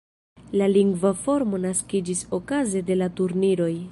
La lingva formo naskiĝis okaze de la turniroj.